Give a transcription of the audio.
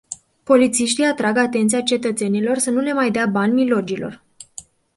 Polițiștii atrag atenția cetățenilor să nu le mai dea bani milogilor.